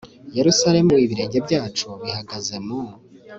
yerusalemu ibirenge byacu bihagaze mu